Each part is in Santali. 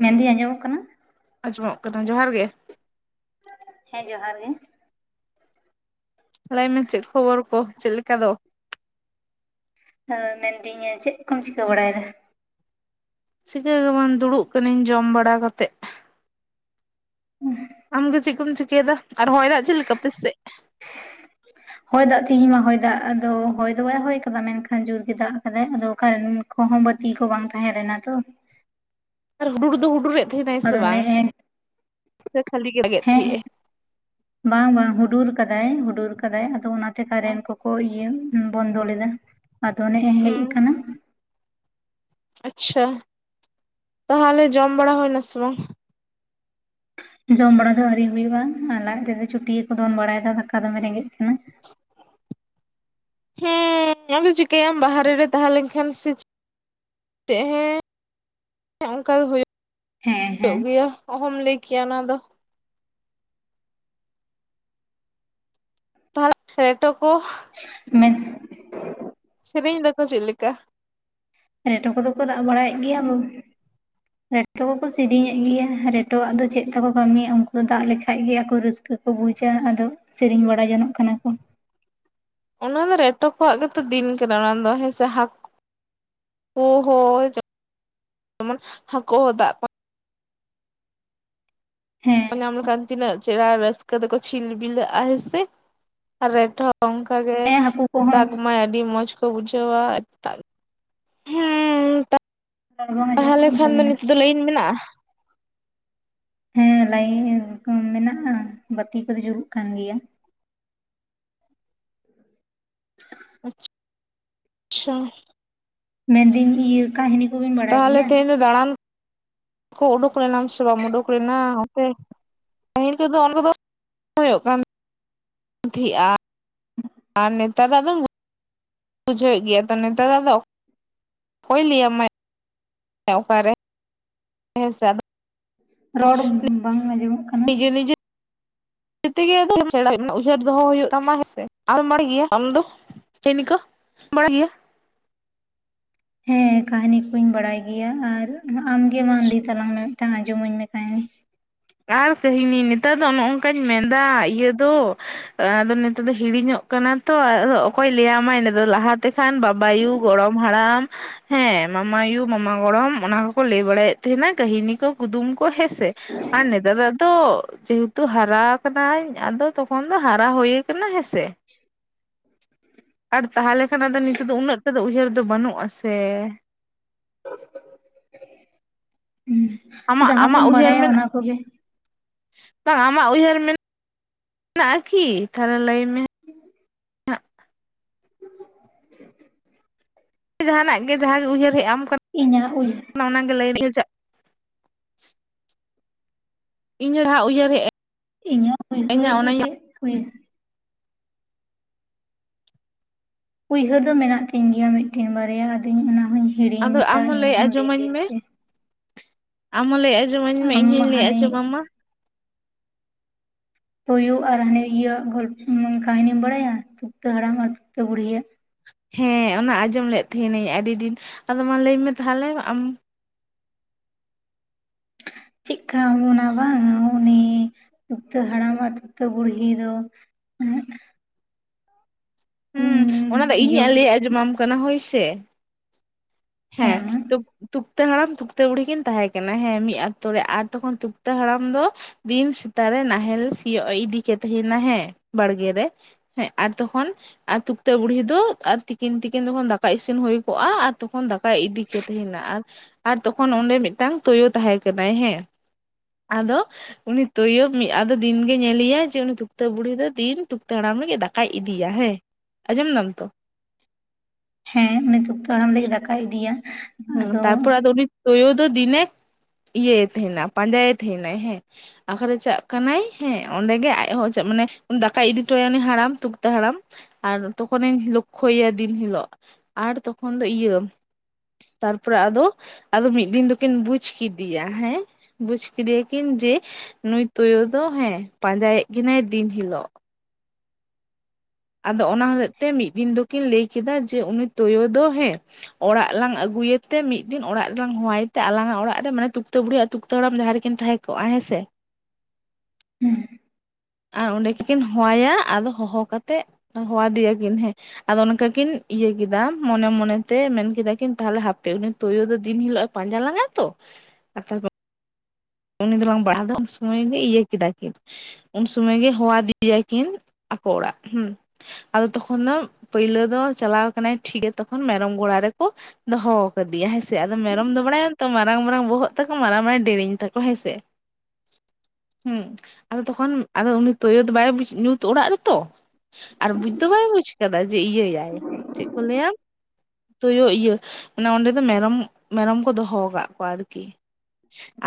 ᱢᱮᱱᱫᱟᱹᱧ ᱟᱸᱡᱚᱢᱚᱜ ᱠᱟᱱᱟ? ᱟᱸᱡᱚᱢᱚᱜ ᱠᱟᱱᱟ ᱡᱚᱦᱟᱨ ᱜᱮ᱾ ᱦᱮᱸ ᱡᱚᱦᱟᱨ ᱜᱮ᱾ ᱞᱟᱹᱭᱢᱮ ᱪᱮᱫ ᱠᱷᱚᱵᱚᱨ ᱠᱚ ᱪᱮᱫ ᱞᱮᱠᱟ ᱫᱚ? ᱦᱮᱸ ᱢᱮᱱᱫᱤᱧ ᱪᱮᱫ ᱠᱚᱢ ᱪᱤᱠᱟᱹ ᱵᱟᱲᱟᱭᱫᱟ? ᱪᱤᱠᱟᱹ ᱜᱮ ᱵᱟᱝ ᱫᱩᱲᱩᱵ ᱠᱟᱹᱱᱟᱹᱧ ᱡᱚᱢ ᱵᱟᱲᱟ ᱠᱟᱛᱮᱫ᱾ [inaudible] ᱟᱢᱜᱮ ᱪᱮᱫ ᱠᱚᱢ ᱪᱤᱠᱟᱹᱭᱮᱫᱟ ᱟᱨ ᱦᱚᱭ ᱫᱟᱜ ᱪᱮᱫ ᱞᱮᱠᱟ ᱟᱯᱮ ᱥᱮᱫ? [inaudible] ᱦᱚᱭ ᱫᱟᱜ ᱛᱮᱦᱤᱧ ᱢᱟ ᱦᱚᱭ ᱫᱟᱜ ᱟᱫᱚ ᱦᱚᱭ ᱫᱚ ᱵᱟᱭ ᱦᱚᱭ ᱠᱟᱫᱟ ᱢᱮᱱᱠᱷᱟᱱ ᱡᱳᱨ ᱜᱮ ᱫᱟᱜ ᱠᱟᱫᱟᱭ᱾ ᱟᱫᱚ ᱠᱷᱟᱱ ᱠᱚᱦᱚᱸ ᱵᱟᱹᱛᱤ ᱠᱚ ᱵᱟᱝ ᱛᱟᱦᱮᱸ ᱞᱮᱱᱟ ᱛᱚ᱾ ᱟᱨ ᱦᱩᱰᱩᱨ ᱫᱚ ᱦᱩᱰᱩᱨᱮᱜ ᱛᱟᱦᱮᱱᱟᱭ ᱥᱮ ᱟᱫᱚ ᱵᱟᱝ ᱱᱮᱜᱼᱮ ᱥᱮ ᱠᱷᱟᱹᱞᱤ ᱫᱟᱜᱮᱜ ᱦᱮᱸ ᱛᱮᱦᱮᱸᱜᱼᱮ? ᱵᱟᱝ ᱵᱟᱝ ᱦᱩᱰᱩᱨ ᱠᱟᱫᱟᱭ ᱦᱩᱰᱩᱨ ᱠᱟᱫᱟᱭ ᱟᱫᱚ ᱚᱱᱟ ᱛᱮ ᱠᱟᱨᱮᱱ ᱠᱚ ᱠᱚ ᱤᱭᱟᱹ ᱵᱚᱱᱫᱚ ᱞᱮᱫᱟ, ᱟᱫᱚ ᱱᱮᱜᱼᱮ ᱦᱮᱡ ᱦᱩᱸ ᱠᱟᱱᱟ᱾ ᱟᱪᱪᱷᱟ ᱛᱟᱦᱚᱞᱮ ᱡᱚᱢ ᱵᱟᱲᱟ ᱦᱩᱭᱱᱟ ᱥᱮ ᱵᱟᱝ? ᱡᱚᱢ ᱵᱟᱲᱟ ᱫᱚ ᱟᱹᱣᱨᱤ ᱦᱩᱭᱩᱜᱼᱟ, ᱟᱨ ᱞᱟᱡ ᱨᱮᱫᱚ ᱪᱩᱴᱭᱟᱹ ᱠᱚ ᱫᱚᱱ ᱵᱟᱲᱟᱭᱫᱟ ᱫᱟᱠᱟ ᱫᱚᱢᱮ ᱨᱮᱸᱜᱮᱡ ᱠᱟᱱᱟ᱾ [inaudible] ᱦᱮᱸ ᱟᱫᱚ ᱪᱤᱠᱟᱭᱟᱢ ᱵᱟᱦᱨᱮ ᱨᱮ ᱛᱟᱦᱮᱸ ᱞᱮᱱ ᱠᱷᱟᱱ ᱥᱮ ᱪᱮᱜ ᱦᱮᱸ ᱚᱝᱠᱟ ᱫᱚ ᱦᱮᱸ ᱦᱩᱭᱩᱜ ᱦᱮᱸ [unintelligible] ᱜᱮᱭᱟ ᱚᱦᱚᱢ ᱞᱟᱹᱭ ᱠᱮᱭᱟ ᱚᱱᱟ ᱫᱚ᱾ ᱛᱟᱦᱚᱞᱮ ᱨᱮᱴᱚ ᱠᱚ ᱢᱮᱱ ᱥᱮᱨᱮᱧ ᱫᱟᱠᱚ ᱪᱮᱫ ᱞᱮᱠᱟ? ᱨᱮᱴᱚ ᱠᱚᱫᱚ ᱠᱚ ᱨᱟᱜ ᱵᱟᱲᱟᱭᱮᱜ ᱜᱮᱭᱟ ᱵᱟᱹᱢ ᱨᱮᱴᱚ ᱠᱚᱠᱚ ᱥᱤᱨᱤᱧᱮᱜ ᱜᱮᱭᱟ ᱨᱮᱴᱚᱣᱟᱜ ᱫᱚ ᱪᱮᱫ ᱛᱟᱠᱚ ᱠᱟᱹᱢᱤ ᱩᱝᱠᱩ ᱫᱚ ᱫᱟᱜ ᱞᱮᱠᱷᱟᱡ ᱜᱮ ᱟᱠᱚ ᱨᱟᱹᱥᱠᱟᱹ ᱠᱚ ᱵᱩᱡᱟ ᱟᱫᱚ ᱥᱮᱨᱮᱧ ᱵᱟᱲᱟ ᱡᱚᱱᱚᱜ ᱠᱟᱱᱟ ᱠᱚ᱾ ᱚᱱᱟ ᱫᱚ ᱨᱮᱴᱚ ᱠᱚᱣᱟᱜ ᱜᱮᱛᱚ ᱫᱤᱱ ᱠᱟᱱᱟ ᱚᱱᱟᱫᱚ ᱦᱮᱸ ᱥᱮ ᱦᱟᱸᱠ ᱠᱩ ᱦᱳ [unintelligible] ᱦᱟᱹᱠᱩ ᱫᱟᱜ ᱦᱮᱸ ᱧᱟᱢ ᱞᱮᱠᱷᱟᱱ ᱛᱤᱱᱟᱹᱜ ᱪᱮᱨᱦᱟ ᱨᱟᱹᱥᱠᱟᱹ ᱫᱚᱠᱚ ᱪᱷᱤᱞ ᱵᱤᱞᱟᱹᱜᱼᱟ ᱦᱮᱸᱥᱮ ᱟᱨ ᱨᱮᱴᱚ ᱚᱝᱠᱟ ᱜᱮ ᱦᱮᱸ ᱦᱟᱹᱠᱩ ᱠᱚᱦᱚᱸ ᱫᱟᱜᱽ ᱢᱟᱭ ᱟᱹᱰᱤ ᱢᱚᱸᱡᱽ ᱠᱚ ᱵᱩᱡᱷᱟᱹᱣᱟ [unintelligible] ᱦᱚᱸ ᱨᱚᱲ ᱵᱟᱝ [unintelligible] ᱟᱸᱡᱚᱢᱚᱜ ᱛᱟᱦᱚᱞᱮ ᱠᱟᱱ ᱠᱷᱟᱱ ᱫᱚ ᱛᱟᱵᱤᱱᱟ ᱱᱤᱛ ᱫᱚ ᱞᱟᱹᱭᱤᱱ ᱢᱮᱱᱟᱜᱼᱟ᱾ ᱦᱮᱸ ᱞᱟᱭᱤᱱ ᱢᱮᱱᱟᱜᱼᱟ, ᱵᱟᱛᱤ ᱠᱚᱫᱚ ᱡᱩᱞᱩᱜ ᱠᱟᱱ ᱜᱮᱭᱟ᱾ [inaudible] ᱟᱪ ᱪᱷᱟ ᱢᱮᱱᱫᱟᱹᱧ ᱤᱭᱟᱹ ᱠᱟᱹᱦᱱᱤ ᱠᱚᱵᱤᱱ ᱵᱟᱲᱟᱭ ᱛᱟᱦᱚᱞᱮ ᱜᱮᱭᱟ ᱛᱮᱦᱮᱧ ᱫᱚ ᱫᱟᱬᱟᱱ ᱠᱚ ᱩᱰᱩᱠ ᱞᱮᱱᱟᱢ ᱥᱮ ᱵᱟᱢ ᱩᱰᱩᱠ ᱞᱮᱱᱟ ᱚᱱᱛᱮ? ᱯᱟᱹᱦᱤᱞ ᱠᱚᱫᱚ [unintelligible] ᱫᱚ ᱦᱩᱭᱩᱜ ᱠᱟᱱ᱾ ᱫᱷᱤᱜᱼᱟ ᱟᱨ ᱱᱮᱛᱟᱨᱟᱜ ᱫᱚ ᱵᱩᱡᱷᱟᱹᱣᱮᱜ ᱜᱮᱭᱟ ᱛᱚ ᱱᱮᱛᱟᱨ ᱫᱚ ᱠᱚᱭ ᱞᱟᱹᱭᱟᱢᱟᱭ ᱚᱠᱟᱨᱮ? ᱦᱮᱸᱥᱮ ᱟᱫᱚ ᱨᱚᱲ ᱵᱟᱝ ᱟᱸᱡᱚᱢᱚᱜ ᱠᱟ ᱱᱤᱡᱮ ᱱᱤᱡᱮ [unintelligible] ᱩᱭᱦᱟᱹᱨ ᱫᱚᱦᱚ ᱦᱩᱭᱩᱜ ᱛᱟᱢᱟ ᱦᱮᱸᱥᱮ [unintelligible] ᱜᱮᱭᱟ ᱟᱢ ᱫᱚ? ᱮᱱᱤᱠᱟᱹ ᱵᱟᱲᱟᱜᱤᱭᱟ᱾ ᱦᱮᱸ ᱠᱟᱦᱱᱤ ᱠᱚᱧ ᱵᱟᱲᱟᱭ ᱜᱮᱭᱟ, ᱟᱨ ᱟᱢᱜᱮ ᱢᱟ ᱞᱟᱹᱭ ᱛᱟᱞᱟᱝ ᱢᱮ? ᱛᱟᱝ ᱟᱸᱡᱚ ᱢᱟᱹᱧ ᱢᱮ ᱛᱟᱦᱮᱭ ᱟᱨ ᱠᱟᱹᱦᱱᱤ ᱱᱮᱛᱟᱨ ᱫᱚ ᱚᱱᱚ ᱚᱱᱠᱟᱹᱧ ᱢᱮᱱᱫᱟ ᱤᱭᱟᱹ ᱫᱚ ᱟᱫᱚ ᱱᱮᱛᱮ ᱫᱚ ᱦᱤᱲᱤᱧᱚᱜ ᱠᱟᱱᱟ ᱛᱚ ᱟᱫᱚ ᱚᱠᱚᱭ ᱞᱟᱹᱭᱟᱢᱟᱭ ᱱᱮᱛᱟ ᱞᱟᱦᱟᱛᱮ ᱠᱷᱟᱱ ᱵᱟᱵᱟᱭᱩ ᱜᱚᱲᱚᱢ ᱦᱟᱲᱟᱢ ᱦᱮᱸ ᱢᱟᱢᱟᱭᱩ ᱢᱟᱢᱟ ᱜᱚᱲᱚᱢ ᱚᱱᱟ ᱠᱚᱠᱚ ᱞᱟᱹᱭ ᱵᱟᱲᱟᱭᱮᱫ ᱛᱟᱦᱮᱱᱟ ᱠᱟᱹᱦᱤᱱᱤ ᱠᱚ ᱜᱩᱫᱩᱢ ᱠᱚ ᱦᱮᱸᱥᱮ ᱟᱨ ᱱᱮᱛᱟᱨ ᱫᱚ ᱟᱫᱚ ᱫᱚ ᱡᱮᱦᱮᱛᱩ ᱦᱟᱨᱟ ᱟᱠᱟᱱᱟᱧ ᱟᱫᱚ ᱛᱚᱠᱷᱚᱱ ᱫᱚ ᱦᱟᱨᱟ ᱦᱩᱭ ᱠᱟᱱᱟ ᱦᱮᱸᱥᱮ ᱟᱨ ᱛᱟᱦᱚᱞᱮ ᱠᱷᱟᱱ ᱟᱫᱚ ᱱᱤᱛᱚᱜ ᱫᱚ ᱩᱱᱟᱹᱜ ᱢᱟ ᱫᱚ ᱩᱭᱦᱟᱹᱨ ᱫᱚ ᱵᱟᱹᱱᱩᱜ-ᱟ ᱥᱮ ᱟᱢᱟᱜ ᱡᱟᱦᱟᱸ ᱟᱢᱟᱜ ᱠᱚᱢ ᱩᱭᱦᱟᱹᱨ ᱵᱟᱲᱟᱭᱟ ᱢᱮᱱᱟᱜ ᱚᱱᱟ ᱠᱚᱜᱮ ᱵᱟᱝ ᱟᱢᱟᱜ ᱩᱭᱦᱟᱹᱨ ᱢᱮᱱᱟᱜ ᱢᱮᱱᱟᱜᱼᱟ ᱠᱤ ᱛᱟᱦᱚᱞᱮ ᱞᱟᱹᱭ ᱢᱮ ᱡᱟᱦᱟᱱᱟᱜ ᱜᱮ ᱡᱟᱦᱟᱸᱜᱮ ᱩᱭᱦᱟᱹᱨ ᱦᱮᱜ ᱟᱢ ᱠᱟᱱᱟ ᱤᱧᱟᱹᱜ ᱩᱞ ᱚᱱᱟ ᱜᱮ ᱞᱟᱹᱭ ᱵᱷᱤᱭᱩ ᱪᱟᱜ ᱤᱧ ᱡᱟᱦᱟᱸ ᱩᱭᱦᱟᱹᱨ ᱦᱮᱜ ᱟᱹᱱ ᱤᱧᱟᱹᱜ ᱩᱭᱦᱟᱹᱨ ᱫᱚ ᱪᱮᱫ ᱦᱩᱭ ᱩᱭᱦᱟᱹᱨ ᱫᱚ ᱢᱮᱱᱟᱜ ᱛᱤᱧ ᱜᱮᱭᱟ ᱢᱤᱫᱴᱮᱱ ᱵᱟᱨᱭᱟ ᱟᱫᱚᱧ ᱚᱱᱟᱦᱚᱧ ᱟᱫᱚ ᱦᱤᱲᱤᱧ ᱫᱟ ᱟᱢ ᱦᱚᱸ ᱞᱟᱹᱭ ᱤᱧᱦᱚᱸ ᱫᱤᱱ ᱟᱸᱡᱚᱢᱟᱹᱧ ᱫᱤᱱ ᱢᱮ ᱛᱮ ᱟᱢ ᱦᱚᱸ ᱞᱟᱹᱭ ᱟᱸᱡᱚᱢᱟᱹᱧ ᱢᱮ ᱤᱧ ᱟᱢ ᱦᱚᱧ ᱞᱟᱹᱭ ᱦᱟᱱᱮ ᱟᱸᱡᱚᱢᱟᱢᱟ ᱛᱳᱭᱳ ᱟᱨ ᱦᱟᱱᱮ ᱤᱭᱟᱹ ᱜᱚᱞᱯ ᱠᱟᱹᱦᱱᱤᱢ ᱵᱟᱲᱟᱭᱟ ᱛᱩᱠᱛᱟᱹ ᱦᱟᱲᱟᱢ ᱟᱨ ᱛᱩᱠᱛᱟᱹ ᱵᱩᱲᱦᱤᱭᱟᱜ ᱦᱮᱸ ᱚᱱᱟ ᱟᱸᱡᱚᱢ ᱞᱮᱫ ᱛᱮᱦᱮᱱᱤᱧ ᱟᱹᱰᱤ ᱰᱤᱱ ᱟᱫᱚ ᱢᱟ ᱞᱟᱹᱭ ᱢᱮ ᱛᱟᱦᱚᱞᱮ ᱟᱢ ᱪᱮᱜ ᱠᱟ ᱟᱱᱟ ᱵᱟᱝ ᱩᱱᱤ ᱛᱩᱠᱛᱟᱹ ᱦᱟᱲᱟᱢ ᱟᱨ ᱛᱩᱠᱛᱟᱹ ᱵᱩᱲᱦᱤ ᱫᱚ ᱦᱩᱸ ᱚᱱᱟ ᱫᱚ ᱥᱤᱭᱳᱜ ᱤᱧᱤᱧ ᱞᱮᱜ ᱟᱸᱡᱚᱢᱟᱢ ᱠᱟᱱᱟ ᱦᱳᱭ ᱥᱮ ᱦᱮᱸ ᱛᱚ ᱛᱩᱠᱛᱟᱹ ᱦᱟᱲᱟᱢ ᱛᱩᱠᱛᱟᱹ ᱵᱩᱲᱦᱤ ᱠᱤᱱ ᱛᱟᱦᱮᱸ ᱠᱟᱱᱟ ᱦᱮᱸ ᱢᱤᱜ ᱟᱛᱳ ᱨᱮ ᱟᱨ ᱛᱚᱠᱷᱚᱱ ᱛᱩᱠᱛᱟᱹ ᱦᱟᱲᱟᱢ ᱫᱚ ᱫᱤᱱ ᱥᱮᱛᱟᱜ ᱨᱮ ᱱᱟᱦᱮᱞ ᱥᱤᱭᱳᱜᱼᱮ ᱤᱫᱤ ᱠᱮᱫ ᱛᱟᱦᱮᱱᱟ ᱦᱮᱸ ᱵᱟᱲᱜᱮ ᱨᱮ ᱦᱮᱸ ᱟᱨ ᱛᱚᱠᱷᱚᱱ ᱟᱨ ᱛᱩᱠᱛᱟᱹ ᱵᱩᱲᱦᱤ ᱫᱚ ᱟᱨ ᱛᱤᱠᱤᱱ ᱛᱤᱠᱤᱱ ᱡᱚᱠᱷᱚᱱ ᱫᱟᱠᱟ ᱤᱥᱤᱱ ᱦᱳᱭ ᱠᱚᱜᱼᱟ ᱟᱨ ᱛᱚᱠᱷᱚᱱ ᱫᱟᱠᱟᱭ ᱤᱫᱤ ᱠᱮᱫ ᱛᱟᱦᱮᱱᱟ ᱟᱨ ᱟᱨ ᱛᱚᱠᱷᱚᱱ ᱚᱸᱰᱮ ᱢᱮᱫᱴᱟᱝ ᱛᱳᱭᱳᱭ ᱛᱟᱦᱮᱸ ᱠᱟᱱᱟᱭ ᱦᱮᱸ ᱟᱫᱚ ᱩᱱᱤ ᱛᱳᱭᱳ ᱢᱤᱜ ᱟᱫᱚ ᱫᱤᱱᱜᱮ ᱧᱮᱞᱮᱭᱟᱭ ᱡᱮ ᱩᱱᱤ ᱛᱩᱠᱛᱟᱹ ᱵᱩᱲᱦᱤ ᱫᱚ ᱫᱤᱱ ᱛᱩᱠᱛᱟᱹ ᱦᱟᱲᱟᱢ ᱞᱟᱹᱜᱤᱡ ᱫᱟᱠ ᱠᱟᱭ ᱤᱫᱤᱭᱟ ᱦᱮᱸ ᱟᱸᱡᱚᱢ ᱫᱟᱢ ᱛᱚ ᱦᱮᱸ ᱩᱱᱤ ᱛᱩᱠᱛᱟᱹ ᱦᱟᱲᱟᱢ ᱞᱟᱹᱜᱤᱫ ᱫᱟᱠᱟᱭ ᱤᱫᱤᱭᱟ ᱦᱩᱸ ᱟᱫᱚ ᱛᱟᱨᱯᱚᱨ ᱟᱫᱚ ᱩᱱᱤ ᱛᱳᱭᱳ ᱫᱚ ᱫᱤᱱᱮ ᱤᱭᱟᱹᱭᱮ ᱛᱟᱦᱮᱱᱟ ᱯᱟᱸᱡᱟᱭᱮ ᱛᱟᱦᱮᱱᱟᱭ ᱦᱮᱸ ᱟᱠᱟᱨᱮ ᱪᱟᱜ ᱠᱟᱱᱟᱭ ᱦᱮᱸ ᱚᱸᱰᱮᱜᱮ ᱟᱡᱦᱚᱸ ᱪᱟᱜ ᱢᱟᱱᱮ ᱫᱟᱠᱟᱭ ᱤᱫᱤᱴᱚᱭᱟ ᱩᱱᱤ ᱦᱟᱲᱟᱢ ᱛᱩᱠᱛᱟᱹ ᱦᱟᱲᱟᱢ ᱟᱨ ᱛᱚᱠᱷᱚᱱᱮᱧ ᱞᱚᱠᱠᱷᱚᱭᱮᱭᱟ ᱫᱤᱱ ᱦᱤᱞᱳᱜ ᱟᱨ ᱛᱚᱠᱷᱚᱱ ᱫᱚ ᱤᱭᱟᱹ ᱛᱟᱨᱯᱚᱨᱮ ᱟᱫᱚ ᱟᱫᱚ ᱢᱤᱫ ᱫᱤᱱ ᱫᱩᱠᱤᱱ ᱵᱩᱡ ᱠᱤᱫᱤᱭᱟ ᱦᱮᱸ, ᱵᱩᱡ ᱠᱤᱫᱤᱭᱟᱠᱤᱱ ᱡᱮ ᱱᱩᱭ ᱛᱳᱭᱳ ᱫᱚ ᱦᱮᱸ ᱯᱟᱸᱡᱟᱭᱮᱜ ᱠᱤᱱᱟᱭ ᱫᱤᱱ ᱦᱤᱞᱳᱜ ᱟᱫᱚ ᱚᱱᱟ ᱦᱚᱞᱮᱜ ᱛᱮ ᱢᱤᱜ ᱫᱤᱱ ᱫᱚᱠᱤᱱ ᱞᱮᱭ ᱠᱮᱫᱟ ᱡᱮ ᱩᱱᱤ ᱛᱳᱭᱳ ᱫᱚ ᱦᱮᱸ ᱚᱲᱟᱜ ᱞᱟᱝ ᱟᱹᱜᱩᱭᱮ ᱛᱮ ᱢᱤᱫ ᱫᱤᱱ ᱚᱲᱟᱜ ᱨᱮᱞᱟᱝ ᱦᱚᱦᱟᱭ ᱛᱮ ᱟᱞᱟᱝ-ᱟᱜ ᱚᱲᱟᱜ ᱨᱮ ᱢᱟᱱᱮ ᱛᱩᱠᱛᱟᱹ ᱵᱩᱲᱦᱤ ᱟᱨ ᱛᱩᱠᱛᱟᱹ ᱦᱟᱲᱟᱢ ᱡᱟᱦᱟᱸ ᱨᱤᱠᱤᱱ ᱛᱟᱦᱮᱸ ᱠᱚᱜᱼᱟ ᱦᱮᱸᱥᱮ ᱦᱮᱸ ᱟᱨ ᱚᱸᱰᱮ ᱠᱤᱠᱤᱱ ᱦᱚᱣᱟᱭᱟ ᱟᱫᱚ ᱦᱚᱦᱚ ᱠᱟᱛᱮᱜ ᱦᱚᱣᱟᱫᱤᱭᱟᱠᱤᱱ ᱦᱮᱸ ᱟᱫᱚ ᱚᱱᱠᱟ ᱠᱤᱱ ᱤᱭᱟᱹ ᱠᱮᱫᱟ ᱢᱚᱱᱮ ᱢᱚᱱᱮᱛᱮ ᱢᱮᱱᱠᱟ ᱠᱤᱱ ᱛᱟᱦᱚᱞᱮ ᱦᱟᱯᱮ ᱩᱱᱤ ᱛᱳᱭᱳ ᱫᱚ ᱫᱤᱱ ᱦᱤᱞᱳᱜ ᱮ ᱯᱟᱸᱡᱟ ᱞᱟᱝ-ᱟᱭ ᱛᱚ ᱟᱨ ᱛᱟᱨᱯᱳᱨ ᱩᱱᱤ ᱫᱚᱞᱟᱝ ᱵᱟᱲᱟᱣᱫᱚ ᱩᱱ ᱥᱚᱢᱚᱭ ᱜᱮ ᱤᱭᱟᱹ ᱠᱮᱫᱟ ᱠᱤᱱ ᱩᱱ ᱥᱩᱢᱚᱭ ᱜᱮ ᱦᱚᱣᱟ ᱫᱤᱭᱟ ᱠᱤᱱ ᱟᱠᱚ ᱚᱲᱟᱜ ᱦᱩᱸ ᱟᱫᱚ ᱛᱚᱠᱷᱚᱱ ᱫᱚ ᱯᱟᱹᱭᱞᱟᱹ ᱫᱚ ᱪᱟᱞᱟᱣ ᱠᱟᱱᱟᱭ ᱴᱷᱤᱠᱜᱮᱭᱟ ᱛᱚᱠᱷᱚᱱ ᱢᱮᱨᱚᱢ ᱜᱚᱲᱟ ᱨᱮᱠᱚ ᱫᱚᱦᱚᱣ ᱠᱟᱫᱤᱭᱟ ᱦᱮᱸᱥᱮ ᱟᱫᱚ ᱢᱮᱨᱚᱢ ᱫᱚ ᱵᱟᱲᱟᱭᱟᱢ ᱛᱚ ᱢᱟᱨᱟᱝ ᱢᱟᱨᱟᱝ ᱵᱚᱦᱚᱜ ᱛᱟᱠᱚ ᱢᱟᱨᱟᱝ ᱢᱟᱨᱟᱝ ᱰᱮᱨᱮᱧ ᱛᱟᱠᱚ ᱦᱮᱸ ᱥᱮ ᱦᱩᱸ ᱟᱫᱚ ᱛᱚᱠᱷᱚᱱ ᱟᱫᱚ ᱩᱱᱤ ᱛᱳᱭᱳ ᱫᱚ ᱵᱟᱭ ᱵᱩᱪ ᱧᱩᱛ ᱚᱲᱟᱜ ᱨᱮᱛᱚ ᱟᱨ ᱵᱩᱡᱽ ᱫᱚ ᱵᱟᱭ ᱵᱩᱡᱽ ᱠᱟᱫᱟᱭ ᱡᱮ ᱤᱭᱟᱹᱭᱟᱭ ᱪᱮᱫ ᱠᱚ ᱞᱟᱹᱭᱟ ᱛᱳᱭᱳ ᱤᱭᱟᱹ ᱢᱟᱱᱮ ᱚᱸᱰᱮ ᱫᱚ ᱢᱮᱨᱚᱢ, ᱢᱮᱨᱚᱢ ᱠᱚ ᱫᱚᱦᱚ ᱠᱟᱜ ᱠᱚᱣᱟ ᱟᱨᱠᱤ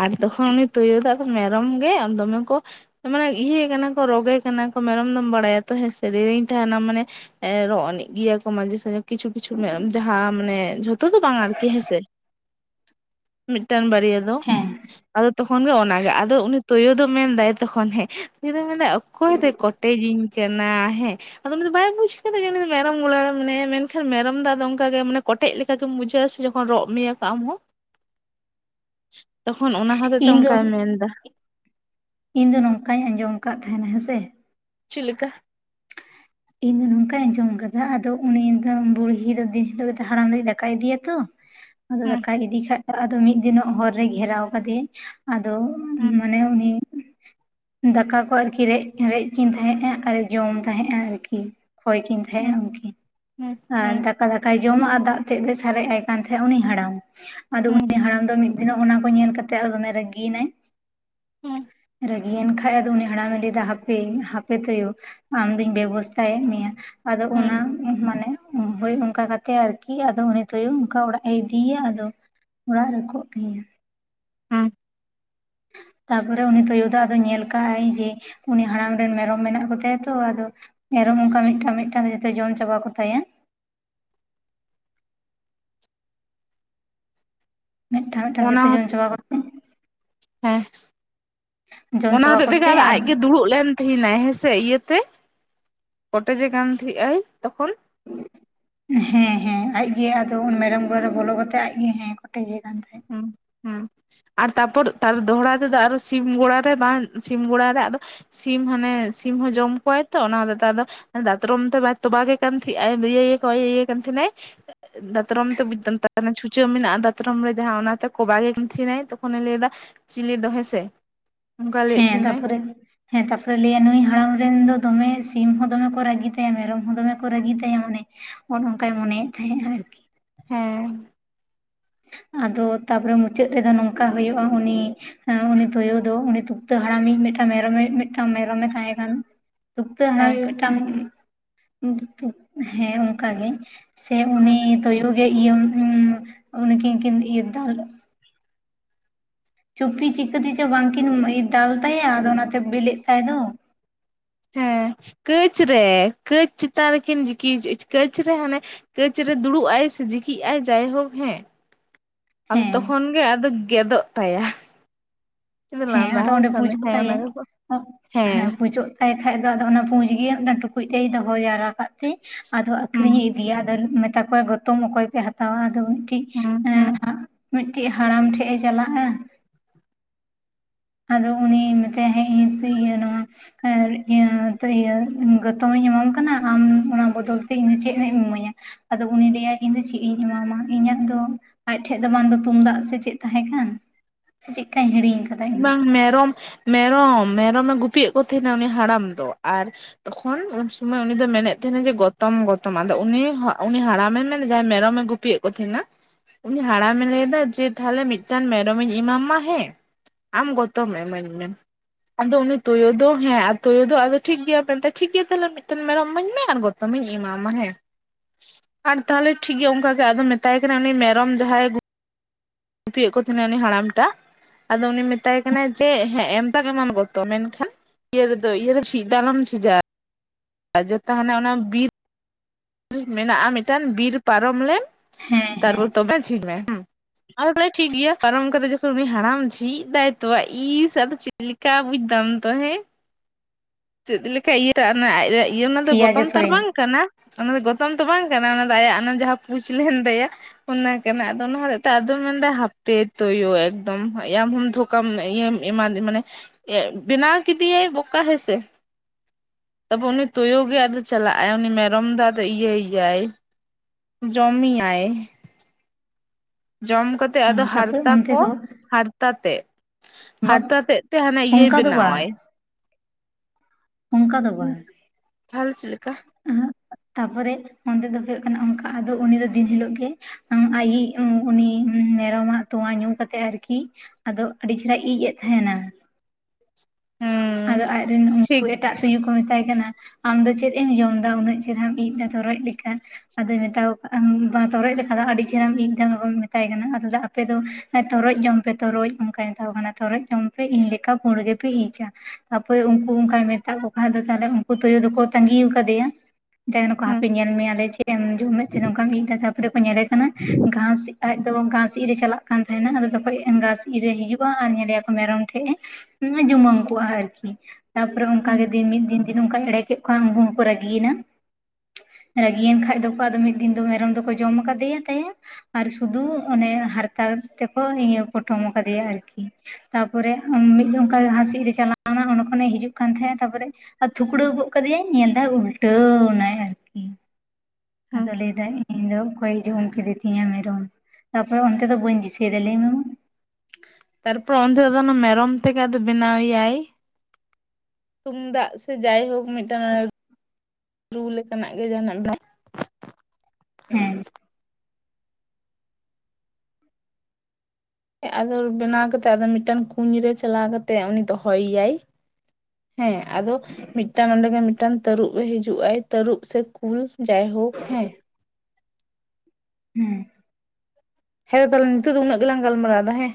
ᱟᱨ ᱛᱚᱠᱷᱚᱱ ᱩᱱᱤ ᱛᱳᱭᱳ ᱫᱚ ᱟᱫᱚ ᱢᱮᱨᱚᱢ ᱜᱮ ᱟᱢ ᱫᱚᱢᱮ ᱠᱚ ᱢᱟᱱᱮ ᱤᱭᱟᱹᱭᱮ ᱠᱟᱱᱟ ᱠᱚ ᱨᱳᱜᱮ ᱠᱟᱱᱟ ᱠᱚ ᱢᱮᱨᱚᱢ ᱫᱚᱢ ᱵᱟᱲᱟᱭᱟ ᱛᱚ ᱦᱮᱸᱥᱮ ᱫᱮᱨᱮᱧ ᱛᱟᱦᱮᱱᱟ ᱢᱟᱱᱮ ᱦᱮᱸ ᱨᱚᱜ ᱟᱹᱱᱤᱡ ᱜᱮᱭᱟ ᱠᱚ ᱢᱟᱡᱷᱮ ᱥᱟᱡᱷᱮ ᱠᱤᱪᱷᱩ ᱠᱤᱪᱷᱩ ᱡᱟᱦᱟᱸ ᱢᱟᱱᱮ ᱮᱸ ᱡᱷᱚᱛᱚ ᱫᱚ ᱵᱟᱝ ᱟᱨᱠᱤ ᱦᱮᱸ ᱥᱮ [inaudible] ᱢᱤᱫᱴᱟᱹᱝ ᱵᱟᱨᱭᱟ ᱫᱚ ᱦᱮᱸ ᱟᱫᱚ ᱛᱚᱠᱷᱚᱱ ᱜᱮ ᱚᱱᱟᱜᱮ ᱟᱫᱚ ᱩᱱᱤ ᱛᱳᱭᱳ ᱫᱚ ᱢᱮᱱᱫᱟᱭ ᱛᱚᱠᱷᱚᱱ ᱦᱮᱸ ᱩᱱᱤ ᱫᱚ ᱢᱮᱱᱫᱟᱭ ᱚᱠᱚᱭ ᱫᱚᱭᱼᱼ ᱠᱚᱴᱮᱡ ᱤᱧ ᱠᱟᱱᱟ ᱦᱮᱸ ᱟᱫᱚ ᱩᱱᱤ ᱫᱚ ᱵᱟᱭ ᱵᱩᱡᱽ ᱠᱟᱫᱟ ᱡᱮ ᱩᱱᱤ ᱢᱮᱨᱚᱢ ᱜᱚᱲᱟᱨᱮ ᱢᱮᱱᱟᱭᱟ ᱢᱮᱱᱠᱷᱟᱱ ᱢᱮᱨᱚᱢ ᱫᱚ ᱟᱫᱚ ᱚᱱᱠᱟᱜᱮ ᱢᱟᱱᱮ ᱠᱚᱴᱮᱡ ᱞᱮ ᱞᱮᱠᱟ ᱜᱮᱢ [unintelligible] ᱵᱩᱡᱷᱟᱹᱣᱟ ᱥᱮ ᱡᱚᱠᱷᱚᱱ ᱨᱚᱜ ᱢᱮᱭᱟ ᱠᱚ ᱟᱢ ᱦᱚᱸ [inaudible] ᱛᱚᱠᱷᱚᱱ ᱚᱱᱟ ᱦᱚᱛᱮᱛᱮ ᱤᱧ ᱫᱚ ᱚᱱᱠᱟᱭ ᱢᱮᱱᱫᱟ ᱤᱧ ᱫᱚ ᱱᱚᱝᱠᱟᱧ ᱟᱸᱡᱚᱢ ᱠᱟᱜ ᱛᱟᱸᱦᱮᱱᱟ ᱦᱮᱸᱥᱮ ᱪᱮᱜ ᱞᱮᱠᱟ ᱤᱧ ᱫᱚ ᱱᱚᱝᱠᱹᱟᱧ ᱟᱸᱡᱚᱢ ᱠᱟᱫᱟ ᱟᱫᱚ ᱩᱱᱤ ᱫᱚ ᱵᱩᱲᱦᱤ ᱫᱚ ᱫᱤᱱ ᱦᱤᱞᱳᱜ ᱜᱮᱛᱚ ᱦᱟᱲᱟᱢ ᱞᱟᱹᱜᱤᱫ ᱫᱟᱠᱟᱭ ᱤᱫᱤᱭᱟ ᱛᱚ ᱟᱫᱚ ᱦᱩᱸ ᱫᱟᱠᱟᱭ ᱤᱫᱤ ᱠᱷᱟᱡ ᱫᱚ ᱟᱫᱚ ᱢᱤᱫ ᱫᱤᱱᱚᱜ ᱦᱚᱨ ᱨᱮᱭ ᱜᱷᱮᱨᱟᱣ ᱠᱟᱫᱮᱭᱟᱭ ᱟᱫᱚ ᱩᱸ ᱦᱩᱸ ᱢᱟᱱᱮ ᱩᱱᱤ ᱩᱸ [inaudible] ᱫᱟᱠᱟ ᱠᱚ ᱟᱨᱠᱤ ᱨᱮᱡ, ᱨᱮᱡ ᱠᱤᱱ ᱛᱟᱦᱮᱸᱜᱼᱮ ᱟᱨ ᱡᱚᱢ ᱛᱟᱦᱮᱸᱜᱼᱟᱭ ᱟᱨᱠᱤ ᱠᱳᱭ ᱠᱤᱱ ᱛᱟᱦᱮᱸ ᱦᱩᱸ ᱟᱨᱠᱤ, ᱦᱩᱸ ᱟᱨ ᱦᱩᱸ ᱚᱱᱠᱟᱼᱼ ᱫᱟᱠᱟ ᱫᱟᱠᱟᱭ ᱡᱚᱢᱟ ᱟᱨ ᱫᱟᱜ ᱛᱮᱫ ᱞᱮ ᱥᱟᱨᱮᱡ ᱟᱭ ᱠᱟᱱᱛᱮ ᱩᱱᱤ ᱦᱟᱲᱟᱢ᱾ ᱟᱫᱚ ᱦᱩᱸ ᱩᱱᱤ ᱦᱟᱲᱟᱢ ᱫᱚ ᱢᱤᱫᱼᱼ ᱫᱤᱱᱚᱜ ᱚᱱᱟ ᱠᱚ ᱧᱮᱞ ᱠᱟᱛᱮᱫ ᱟᱨ ᱫᱚᱢᱮᱭ ᱨᱟᱹᱜᱤᱭᱮᱱᱟᱭ ᱦᱮᱸ ᱨᱟᱹᱜᱤᱭᱮᱱ ᱠᱷᱟᱡ ᱟᱫᱚ ᱩᱱᱤ ᱦᱟᱲᱟᱢᱮ ᱞᱟᱹᱭᱮᱫᱟ ᱦᱟᱯᱮ ᱦᱟᱯᱮ ᱛᱚ ᱟᱢ ᱫᱩᱧ ᱵᱮᱵᱚᱥᱛᱷᱟᱭᱮᱫ ᱢᱮᱭᱟ ᱟᱫᱚ ᱦᱩᱸ ᱚᱱᱟ ᱢᱟᱱᱮ ᱦᱳᱭ ᱚᱱᱠᱟ ᱠᱟᱛᱮᱜ ᱟᱨᱠᱤ ᱟᱫᱚ ᱩᱱᱤ ᱛᱳᱭᱳ ᱚᱱᱠᱟ ᱚᱲᱟᱜ ᱮ ᱤᱫᱤᱭᱮᱭᱟ ᱟᱫᱚ ᱚᱲᱟᱜ ᱨᱮᱠᱚᱜ ᱠᱮᱭᱟ᱾ ᱦᱮᱸ ᱛᱟᱯᱚᱨᱮ ᱩᱱᱤ ᱛᱩᱭᱩ ᱫᱚ ᱟᱫᱚᱭ ᱧᱮᱞᱼᱼ ᱠᱟᱜ ᱟᱭ ᱡᱮ ᱩᱱᱤ ᱦᱟᱲᱟᱢ ᱨᱮᱱ ᱢᱮᱨᱚᱢ ᱢᱮᱱᱟᱜ ᱠᱚᱛᱟᱭᱟ ᱛᱚ ᱟᱫᱚ ᱢᱮᱨᱚᱢ ᱚᱱᱠᱟ ᱢᱤᱫᱴᱟᱹᱝ ᱢᱤᱫᱴᱟᱹᱝ ᱡᱟᱛᱮ ᱡᱚᱢ ᱪᱟᱵᱟ ᱠᱚᱛᱟᱭᱟ ᱢᱤᱫᱴᱟᱝ ᱢᱤᱫᱴᱟᱝ ᱚᱱᱟ ᱡᱚᱛᱚ ᱡᱚᱢ ᱦᱚᱛ ᱪᱟᱵᱟ ᱦᱮᱸ ᱡᱚᱢ ᱚᱱᱟ ᱪᱟᱵᱟ ᱦᱚᱛᱮᱡ ᱛᱮᱜᱮ ᱠᱚᱛᱮ ᱟᱫᱚ ᱟᱡ ᱜᱮ ᱫᱩᱲᱩᱵ ᱞᱮᱱ ᱛᱟᱸᱦᱮᱱᱟᱭ ᱦᱮᱸᱥᱮ ᱤᱭᱟᱹᱛᱮ ᱠᱚᱴᱮᱡᱮ ᱠᱟᱱ ᱛᱟᱦᱮᱸᱜ ᱟᱭ ᱛᱚᱠᱷᱚᱱ ᱦᱩᱸ ᱦᱮᱸ ᱦᱮᱸ ᱟᱡᱜᱮ ᱟᱫᱚ ᱢᱮᱨᱚᱢ ᱜᱚᱲᱟ ᱨᱮ ᱵᱚᱞᱚ ᱠᱟᱛᱮᱜ ᱟᱡᱜᱮ ᱦᱮᱸ ᱠᱚᱴᱮᱡᱮ ᱠᱟᱱ ᱛᱟᱸᱦᱮᱜ ᱦᱩᱸ ᱦᱩᱸ [inaudible] ᱟᱨ ᱛᱟᱨᱯᱚᱨ ᱫᱚᱦᱲᱟ ᱛᱮᱫᱚ ᱟᱨᱚ ᱥᱤᱢ ᱜᱚᱲᱟ ᱨᱮ ᱵᱟᱝ, ᱥᱤᱢ ᱜᱚᱲᱟ ᱨᱮ ᱟᱫᱚ ᱥᱤᱢ ᱦᱟᱱᱮ ᱥᱤᱢ ᱦᱚᱸ ᱡᱚᱢ ᱠᱚᱣᱟᱭ ᱛᱚ ᱚᱱᱟᱫᱚᱮᱛᱟᱨᱫᱚ [unintelligible] ᱫᱟᱛᱨᱚᱢ ᱛᱮ ᱵᱟᱭ ᱛᱚᱵᱟᱜᱮ ᱠᱟᱱ ᱛᱟᱦᱮᱜᱼᱟᱭ ᱫᱤᱭᱮᱭᱮ ᱠᱚᱭᱮᱭᱮ ᱠᱟᱱ ᱛᱷᱮᱱᱟᱭ᱾ ᱫᱟᱛᱨᱚᱢ ᱛᱮ [unintelligible] ᱪᱷᱩᱪᱟᱹ ᱢᱮᱱᱟᱜᱼᱟ ᱫᱟᱛᱨᱚᱢ ᱨᱮ ᱡᱟᱸᱦᱟᱸ ᱚᱱᱟᱛᱮ ᱠᱚᱵᱟᱜᱮ ᱠᱟᱱ ᱛᱟᱸᱦᱮᱱᱟᱭ ᱛᱚᱠᱷᱚᱱᱮ ᱞᱟᱹᱭ ᱮᱫᱟ ᱪᱤᱞᱤ ᱫᱚ ᱦᱮᱸᱥᱮ ᱚᱱᱠᱟ ᱞᱟᱹᱭᱮᱫ ᱦᱮᱸ ᱛᱟᱦᱮᱱᱟᱭ ᱛᱟᱨᱯᱚᱨᱮ ᱦᱮᱸ ᱛᱟᱨᱯᱚᱨᱮ ᱞᱟᱹᱭᱟ ᱱᱩᱭ ᱦᱟᱲᱟᱢ ᱨᱮᱱ ᱫᱚᱢᱮ ᱥᱤᱢ ᱦᱚᱸ ᱫᱚᱢᱮ ᱠᱚ ᱨᱟᱹᱜᱤ ᱛᱟᱭᱟ ᱢᱮᱨᱚᱢ ᱦᱚᱸ ᱫᱚᱢᱮ ᱠᱚ ᱨᱟᱹᱜᱤ ᱛᱟᱭᱟ ᱢᱟᱱᱮ ᱚᱱ ᱱᱚᱝᱠᱟᱭ ᱢᱚᱱᱮᱭᱮᱫ ᱛᱟᱦᱮᱸᱱᱟ ᱦᱮᱸ ᱟᱫᱚ ᱛᱟᱨᱯᱚᱨᱮ ᱢᱩᱪᱟᱹᱫ ᱨᱮᱫᱚ ᱱᱚᱝᱠᱟ ᱦᱩᱭᱩᱜᱼᱟ ᱩᱱᱤ ᱦᱮᱸ ᱩᱱᱤ ᱛᱩᱭᱩ ᱫᱚ ᱩᱱᱤ ᱛᱩᱠᱛᱮ ᱦᱟᱲᱟᱢᱤᱡ ᱢᱤᱫᱴᱟᱹᱝ ᱢᱮᱨᱚᱢᱮ ᱢᱤᱫᱴᱟᱝ ᱢᱮᱨᱚᱢᱮ ᱛᱟᱦᱮᱸ ᱠᱟᱱᱼᱼ ᱛᱩᱯᱛᱟᱹ ᱦᱮᱸ ᱚᱱᱟᱜᱮ ᱢᱤᱜᱴᱟᱝ ᱩᱸ ᱩᱸ ᱦᱮᱸ ᱚᱝᱠᱟ ᱜᱮ᱾ ᱥᱮ ᱩᱱᱤ ᱦᱮᱸ ᱛᱩᱭᱩ ᱜᱮ [unintelligible] ᱤᱭᱟᱹ ᱩᱱᱠᱤᱱ ᱠᱤᱱ ᱤᱭᱟᱹ ᱫᱟᱞ [unintelligible] ᱪᱩᱯᱤ ᱪᱤᱠᱟᱹᱛᱮ ᱪᱚ ᱵᱟᱝ ᱠᱤᱱ ᱫᱟᱞ ᱛᱟᱭᱟ ᱟᱫᱚ ᱚᱱᱟᱛᱮ ᱵᱤᱞᱮᱫ ᱛᱟᱭ ᱫᱚ ᱦᱮᱸ ᱠᱟᱹᱪ ᱨᱮ ᱠᱟᱹᱪ ᱪᱮᱛᱟᱱ ᱨᱮᱠᱤᱱᱤᱠᱤ ᱡᱤᱠᱤᱼᱼᱠᱟᱹᱪ ᱨᱮ ᱦᱟᱱᱮ ᱠᱟᱹᱪ ᱨᱮ ᱫᱩᱲᱩᱵᱼ ᱟᱭ ᱥᱮ ᱡᱤᱠᱤᱜ ᱟᱭ ᱡᱟᱭᱦᱳᱠ ᱦᱮᱸ ᱟᱫᱚ ᱦᱮᱸ ᱛᱚᱠᱷᱚᱱ ᱜᱮ ᱟᱫᱚ ᱜᱮᱫᱚᱜ ᱛᱟᱭᱟ ᱪᱮᱫ ᱦᱮᱸ ᱞᱟᱸᱫᱟ ᱟᱫᱚ ᱦᱚᱸ ᱚᱸᱰᱮ ᱯᱩᱡᱩᱜ ᱥᱟᱱᱟᱭᱟ ᱚᱱᱟ ᱛᱟᱭᱟ ᱠᱚᱫᱚ ᱦᱮᱸ ᱯᱩᱡᱩᱜ ᱛᱟᱭ ᱠᱷᱟᱡ ᱫᱚ ᱟᱫᱚ ᱚᱱᱟ ᱯᱩᱸᱡ ᱜᱮ ᱴᱩᱠᱩᱡ ᱛᱮᱭ ᱫᱚᱦᱚ ᱡᱟᱣᱨᱟ ᱠᱟᱜ ᱛᱮ ᱟᱫᱚ ᱦᱩᱸ ᱟᱹᱠᱷᱨᱤᱧ ᱮ ᱤᱫᱼᱼ ᱤᱭᱟ ᱟᱫᱚ ᱢᱮᱛᱟ ᱠᱚᱣᱟ ᱜᱚᱛᱚᱢ ᱚᱠᱚᱭ ᱯᱮ ᱦᱟᱛᱟᱣᱟ ᱟᱫᱚ ᱢᱤᱫᱴᱤᱡ ᱦᱩᱸ ᱮᱻ ᱦᱩᱸ ᱢᱤᱫᱴᱤᱡ ᱦᱟᱲᱟᱢ ᱴᱷᱮᱱ ᱮ ᱪᱟᱞᱟᱜᱼᱟ ᱟᱫᱚ ᱩᱱᱤ ᱢᱮᱛᱟᱭᱟᱭ ᱦᱮᱸ [unintelligible] ᱱᱚᱣᱟ ᱟᱨ ᱤᱭᱟᱹ ᱛᱟᱹᱭᱟ ᱜᱚᱛᱚᱢᱤᱧ ᱮᱢᱟᱢ ᱠᱟᱱᱟ ᱟᱢ ᱚᱱᱟ ᱵᱚᱫᱚᱞ ᱛᱮ ᱤᱧ ᱪᱮᱫ ᱮᱢ ᱤᱢᱟᱹᱧᱟ ᱟᱫᱚ ᱩᱱᱤ ᱞᱟᱹᱭᱟᱭ ᱤᱧ ᱫᱚ ᱪᱮᱫ ᱤᱧ ᱮᱢᱟᱢᱟ ᱤᱧᱟᱹᱜ ᱫᱚ ᱟᱡ ᱴᱷᱮᱡ ᱫᱚ ᱵᱟᱝᱫᱚ ᱛᱩᱢᱫᱟᱜ ᱥᱮ ᱪᱮᱫ ᱛᱟᱦᱮᱸ ᱠᱟᱱ ᱥᱮ ᱪᱮᱫ ᱠᱟᱹᱧ ᱦᱤᱲᱤᱧ ᱟᱠᱟᱜ ᱵᱟᱝ ᱢᱮᱨᱚᱢ ᱢᱮᱨᱚᱢ ᱢᱮᱨᱚᱢᱮ ᱜᱩᱯᱤᱭᱮᱫ ᱠᱚ ᱛᱟᱦᱮᱱᱟ ᱩᱱᱤ ᱦᱟᱲᱟᱢ ᱫᱚ ᱟᱨ ᱛᱚᱠᱷᱚᱱ ᱩᱱ ᱥᱚᱢᱚᱭ ᱩᱱᱤ ᱫᱚᱭ ᱢᱮᱱᱮᱫ ᱛᱟᱦᱮᱱᱟ ᱡᱮ ᱜᱚᱛᱚᱢ ᱜᱚᱛᱚᱢ ᱟᱫᱚ ᱩᱱᱤ ᱩᱱᱤ ᱦᱟᱲᱟᱢᱮ ᱢᱮᱱᱟ ᱮᱫᱟᱭ ᱢᱮᱨᱚᱢᱮ ᱜᱩᱯᱼᱼ ᱜᱩᱯᱤᱭᱮᱫ ᱠᱚ ᱛᱟᱦᱮᱱᱟ ᱩᱱᱤ ᱦᱟᱲᱟᱢᱮ ᱞᱟᱹᱭ ᱮᱟ ᱡᱮ ᱛᱟᱦᱚᱞᱮ ᱢᱤᱫᱴᱟᱹᱝ ᱢᱮᱨᱚᱢᱤᱧ ᱮᱢᱟᱢᱟ ᱦᱮᱸ ᱟᱢ ᱜᱚᱛᱚᱢ ᱤᱢᱟᱹᱧ ᱢᱮ ᱟᱫᱚ ᱩᱱᱤ ᱛᱩᱭᱩ ᱫᱚ ᱦᱮᱸ ᱛᱩᱭᱩ ᱫᱚ ᱟᱫᱚ ᱴᱷᱤᱠ ᱜᱮᱭᱟ ᱢᱮᱱᱛᱮ ᱴᱷᱤᱠ ᱜᱮᱭᱟ ᱛᱟᱦᱚᱞᱮ ᱢᱤᱫᱴᱮᱱ ᱢᱮᱨᱚᱢ ᱮᱢᱟᱹᱧ ᱢᱮ ᱟᱨ ᱜᱚᱼᱼ ᱛᱚᱢ ᱤᱧ ᱮᱢᱟᱢᱟ ᱦᱮᱸ [inaudible] ᱟᱨ ᱛᱟᱦᱚᱞᱮ ᱴᱷᱤᱠ ᱜᱮ ᱚᱱᱠᱟ ᱜᱮ ᱟᱫᱚ ᱢᱮᱛᱟᱭ ᱠᱟᱱᱟᱭ ᱩᱱᱤ ᱢᱮᱨᱚᱢ ᱡᱟᱦᱟᱸᱭ ᱜᱩᱯᱤᱭᱮᱫ ᱠᱚ ᱛᱟᱦᱮᱱᱟ ᱩᱱᱤ ᱦᱟᱲᱟᱢ ᱴᱟᱜ ᱟᱫᱚ ᱩᱱᱤ ᱢᱮᱛᱟᱭ ᱠᱟᱱᱟ ᱡᱮ ᱦᱮᱸ [unintelligible] ᱜᱚᱛᱚᱢ ᱢᱮᱱᱠᱷᱟᱱ ᱤᱭᱟᱹ ᱨᱮᱫᱚ ᱤᱭᱟᱹ ᱡᱷᱤᱡ ᱫᱚ ᱟᱞᱚᱢ ᱡᱷᱤᱡᱟ ᱟᱨ ᱡᱚᱛᱚ ᱦᱟᱱᱮ ᱚᱱᱟ ᱵᱤᱨ ᱢᱮᱱᱟᱜᱼᱟ ᱢᱤᱫᱴᱟᱹᱝ ᱵᱤᱨ ᱯᱟᱨᱚᱢ ᱞᱮᱢ ᱦᱮᱸ ᱦᱮᱸ ᱛᱟᱨᱯᱚᱨ ᱛᱚᱵᱮ ᱡᱷᱤᱡ ᱢᱮ ᱦᱮᱸ ᱟᱫᱚ ᱛᱟᱦᱞᱮ ᱴᱷᱤᱠ ᱜᱮᱭᱟ ᱯᱟᱨᱚᱢ ᱠᱟᱛᱮ ᱡᱚᱠᱷᱚᱱ ᱩᱱᱤ ᱦᱟᱲᱟᱢ ᱡᱷᱤᱡ ᱮᱫᱟᱭ ᱛᱚ ᱤᱥᱻ ᱟᱫᱚ ᱞᱮᱠᱟ ᱵᱩᱡᱽ ᱮᱫᱟᱢ ᱛᱚ ᱦᱮᱸ [inaudible] ᱪᱮᱫ ᱞᱮᱠᱟ ᱤᱭᱟᱹ ᱚᱱᱟ ᱤᱭᱟᱹ ᱤᱭᱟᱹ ᱚᱱᱟ ᱫᱚ ᱥᱮᱭᱟ ᱜᱮ ᱜᱚᱛᱚᱢ ᱛᱚ ᱥᱚᱭᱮᱱᱟ ᱵᱟᱝ ᱠᱟᱱᱟ ᱚᱱᱟ ᱫᱚ ᱜᱚᱛᱚᱢ ᱛᱚ ᱵᱟᱝ ᱠᱟᱱᱟ ᱚᱱᱟ ᱫᱚ ᱟᱭᱟᱜ ᱡᱟᱦᱟᱸ ᱯᱩᱡᱽ ᱞᱮᱱ ᱛᱟᱭᱟ ᱚᱱᱟ ᱠᱟᱱᱟ ᱟᱫᱚ ᱚᱱᱟ [unintelligible] ᱛᱮ ᱟᱫᱚ ᱢᱮᱱ ᱮᱫᱟ ᱦᱟᱯᱮ ᱛᱩᱭᱩ ᱮᱠᱫᱚᱢ ᱟᱢ ᱦᱚᱢ ᱫᱷᱚᱠᱟᱢ ᱤᱭᱟᱹᱢ ᱮᱢᱟ ᱮ ᱢᱟᱱᱮ ᱵᱮᱱᱟᱣ ᱠᱮᱫᱮᱭᱟᱭ ᱵᱚᱠᱟ ᱦᱮᱸᱥᱮ ᱛᱟᱯᱚᱨ ᱩᱱᱤ ᱛᱩᱭᱩ ᱜᱮ ᱟᱫᱚ ᱪᱟᱞᱟᱜᱼᱟᱭ ᱩᱱᱤ ᱢᱮᱨᱚᱢ ᱫᱚ ᱟᱫᱚ ᱤᱭᱟᱹᱭᱟᱭ ᱡᱚᱢᱮᱭᱟᱭ ᱡᱚᱢ ᱠᱟᱛᱮᱜ ᱟᱫᱚ ᱦᱮᱸ ᱛᱟᱯᱚᱨᱮ ᱦᱟᱨᱛᱟ ᱚᱱᱛᱮ ᱠᱚ ᱫᱚ ᱦᱟᱨᱼᱼ ᱛᱟ ᱛᱮᱫ ᱦᱟᱨᱛᱟ ᱛᱮᱫ ᱛᱮ ᱦᱟᱱᱟ ᱤᱭᱟᱹᱭ ᱚᱱᱠᱟ ᱫᱚ ᱵᱟᱝ ᱵᱮᱱᱟᱣᱟᱭ ᱚᱱᱠᱟ ᱫᱚ ᱵᱟᱝ ᱛᱟᱦᱚᱞᱮ ᱪᱮᱫ ᱞᱮᱠᱟ ᱩᱸᱦᱩᱜ ᱛᱟᱯᱚᱨᱮ ᱚᱸᱰᱮ ᱫᱚ ᱦᱩᱭᱩᱜ ᱠᱟᱱᱟ ᱚᱱᱠᱟ ᱟᱫᱚ ᱩᱱᱤ ᱫᱚ ᱫᱤᱱ ᱦᱤᱞᱚᱜ ᱜᱮ ᱟᱭᱤᱡ ᱩᱱᱤ ᱢᱮᱨᱚᱢᱟᱜ ᱛᱚᱣᱟ ᱧᱩ ᱠᱟᱛᱮᱜ ᱟᱨᱠᱤ ᱟᱫᱚ ᱟᱹᱰᱤ ᱪᱮᱨᱦᱟᱭ ᱤᱡ ᱮᱫ ᱛᱟᱦᱮᱱᱟ ᱟᱫᱚ ᱦᱩᱸ ᱟᱡ ᱨᱮᱱ ᱴᱷᱤᱠ [unintelligible] ᱮᱴᱟᱜ ᱛᱩᱭᱩ ᱠᱚ ᱢᱮᱛᱟᱭ ᱠᱟᱱᱟ ᱟᱢ ᱫᱚ ᱪᱮᱫ ᱮᱢ ᱡᱚᱢᱮᱫᱟ ᱩᱱᱟᱹᱜ ᱪᱮᱨᱦᱨᱟᱢ ᱤᱡ ᱮᱫᱟ ᱛᱚᱨᱚᱡ ᱞᱮᱠᱟ ᱟᱫᱚᱭ ᱢᱮᱛᱟ ᱠᱚ [unintelligible] ᱵᱟᱝ ᱛᱚᱨᱚᱡ ᱞᱮᱠᱟ ᱫᱚ ᱟᱹᱰᱤ ᱪᱮᱦᱨᱟᱢ ᱤᱡ ᱮᱫᱟ ᱢᱮᱛᱟᱭ ᱠᱟᱱᱟ [unintelligible] ᱟᱯᱮ ᱫᱚ ᱛᱚᱨᱚᱡ ᱡᱚᱢ ᱯᱮ ᱛᱚᱨᱚᱡ ᱚᱱᱠᱟᱭ ᱢᱮᱛᱟ ᱠᱚ ᱠᱟᱱᱟ ᱛᱚᱨᱚᱡ ᱡᱚᱢ ᱯᱮ ᱤᱧ ᱞᱮᱠᱟ ᱯᱩᱸᱲ ᱜᱮᱯᱮ ᱤᱡᱟ ᱛᱟᱯᱚᱨᱮ ᱩᱱᱠᱩ ᱚᱱᱠᱟᱭ ᱢᱮᱛᱟᱜ ᱠᱚᱜ ᱠᱷᱟᱱ ᱫᱚ ᱛᱟᱦᱞᱮ ᱩᱱᱠᱩ ᱛᱩᱭᱩ ᱫᱚᱠᱚ ᱛᱟᱺᱜᱤ ᱣᱟᱠᱟᱫᱮᱭᱟ ᱢᱮᱛᱟᱭ ᱠᱟᱱᱟ ᱠᱚ ᱦᱩᱸ ᱦᱟᱯᱮ ᱧᱮᱞ ᱢᱮᱭᱟ ᱞᱮ ᱪᱮᱫ ᱮᱢ ᱡᱚᱢᱮᱫ ᱛᱟᱦᱮᱸᱱᱟ ᱱᱚᱝᱠᱟ ᱤᱡ ᱮᱫᱟ ᱛᱟᱨᱯᱚᱨᱮ ᱠᱚ ᱧᱮᱞᱮ ᱠᱟᱱᱟ ᱜᱷᱟᱥ ᱟᱡ ᱫᱚ ᱜᱷᱟᱥ ᱤᱨᱮ ᱪᱟᱞᱟᱜ ᱠᱟᱱ ᱛᱟᱦᱮᱱᱟ ᱟᱫᱚ ᱛᱚᱠᱷᱚᱡ ᱜᱷᱟᱥ ᱤᱨᱮ ᱦᱤᱡᱩᱜᱼᱟ ᱟᱨ ᱧᱮᱞᱮ ᱭᱟᱠᱚ ᱢᱮᱨᱚᱢ ᱴᱷᱮᱡ ᱮ [unintelligible] ᱡᱩᱸᱢᱟᱝᱠᱚᱜᱼᱟ ᱟᱨᱠᱤ ᱛᱟᱯᱚᱨᱮ ᱚᱱᱠᱟ ᱦᱩᱸ ᱜᱮ ᱫᱤᱱ ᱢᱤᱫ ᱫᱤᱱ [unintelligible] ᱱᱚᱝᱠᱟ ᱮᱲᱮ ᱠᱮᱫ ᱠᱷᱟᱱ ᱩᱱᱠᱩ ᱦᱚᱸᱠᱚ ᱨᱟᱹᱜᱤᱭᱮᱱᱟ ᱨᱟᱹᱜᱤᱭᱮᱱ ᱠᱷᱟᱡ ᱫᱚ ᱠᱚ ᱟᱫᱚ ᱢᱤᱫ ᱫᱤᱱ ᱫᱚ ᱢᱮᱨᱚᱢ ᱫᱚᱠᱚ ᱡᱚᱢ ᱟᱠᱟᱫᱮᱭᱟ ᱛᱟᱭᱟ ᱟᱨ ᱥᱩᱫᱩ ᱚᱱᱮ ᱦᱟᱨᱛᱟ ᱛᱮᱠᱚ ᱤᱸᱭᱳ ᱯᱚᱴᱚᱢ ᱟᱠᱟᱫᱮᱭᱟ ᱟᱨᱠᱤ᱾ ᱛᱟᱨᱯᱚᱨᱮ ᱢᱤᱫ ᱚᱱᱠᱟ ᱜᱷᱟᱸᱥ ᱤᱨᱮ ᱪᱟᱞᱟᱣᱱᱟ ᱚᱱᱟ ᱠᱷᱚᱱᱮ ᱦᱤᱡᱩᱜ ᱠᱟᱱ ᱛᱟᱦᱮᱸᱜ ᱛᱟᱨᱯᱚᱨᱮ ᱟᱨ ᱛᱷᱩᱠᱲᱟᱹᱣ ᱜᱚᱜ ᱠᱟᱫᱮᱭᱟᱭ ᱧᱮᱞ ᱫᱟᱭ ᱩᱞᱴᱟᱹᱣ ᱱᱟᱭ ᱟᱨᱠᱤ᱾ ᱦᱩᱸ ᱟᱫᱚ ᱞᱟᱹᱭ ᱫᱟᱭ ᱤᱧ ᱫᱚ ᱚᱠᱚᱭ ᱡᱚᱢ ᱠᱮᱫᱮ ᱛᱤᱧᱟ ᱢᱮᱨᱚᱢ ᱛᱟᱯᱚᱨᱮ ᱚᱱᱛᱮ ᱫᱚ ᱵᱟᱹᱧ ᱫᱤᱥᱟᱹᱭ ᱫᱟ ᱞᱟᱹᱭ ᱢᱮ, ᱛᱟᱨᱯᱚᱨ ᱚᱱᱛᱮ ᱫᱚ ᱚᱱᱟ ᱢᱮᱨᱚᱢ ᱛᱮᱜᱮ ᱟᱫᱚ ᱵᱮᱱᱟᱣ ᱮᱭᱟᱭ ᱛᱩᱢᱫᱟᱜ ᱥᱮ ᱡᱟᱭᱦᱳᱠ ᱢᱤᱫᱴᱟᱱ [unintelligible] ᱨᱩ ᱞᱮᱠᱟᱱᱟᱜ ᱜᱮ ᱡᱟᱦᱟᱸᱱᱟᱜ [unintelligible] ᱦᱩᱸ ᱟᱫᱚ ᱵᱮᱱᱟᱣ ᱠᱟᱛᱮᱜ ᱟᱫᱚ ᱢᱤᱫ ᱴᱟᱝ ᱠᱩᱧ ᱨᱮ ᱪᱟᱞᱟᱣ ᱠᱟᱛᱮᱜ ᱩᱱᱤ ᱫᱚᱦᱚᱭᱟᱭ ᱦᱮᱸ ᱟᱫᱚ ᱢᱤᱫᱴᱟᱝ ᱚᱸᱰᱮ ᱜᱮ ᱢᱤᱫᱴᱟᱝ ᱛᱟᱹᱨᱩᱵ ᱮ ᱦᱤᱡᱩᱜ ᱟᱭ ᱛᱟᱹᱨᱩᱵ ᱥᱮ ᱠᱩᱞ ᱡᱟᱭᱦᱳᱠ ᱦᱮᱸ ᱦᱩᱸ ᱦᱮᱸ ᱛᱟᱦᱚᱞᱮ ᱱᱤᱛᱚᱜ ᱫᱚ ᱩᱱᱟᱹᱜ ᱜᱮ ᱞᱟᱝ ᱜᱟᱞᱢᱟᱨᱟᱣ ᱫᱟ ᱦᱮᱸ᱾